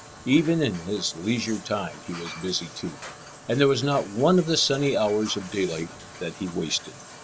Even in his leisure time he was busy too, and there was not one of the sunny hours of daylight that he wasted.